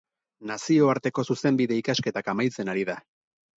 Nazioarteko zuzenbide ikasketak amaitzen ari da.